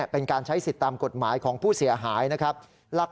เป็นการใช้สิทธิ์ตามกฎหมายของผู้เสียหายนะครับ